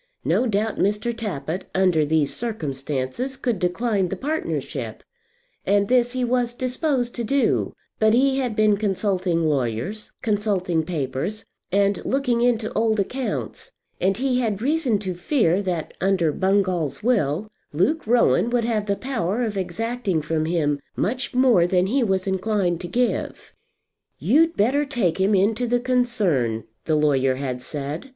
No doubt Mr. Tappitt, under these circumstances, could decline the partnership; and this he was disposed to do; but he had been consulting lawyers, consulting papers, and looking into old accounts, and he had reason to fear, that under Bungall's will, Luke Rowan would have the power of exacting from him much more than he was inclined to give. "You'd better take him into the concern," the lawyer had said.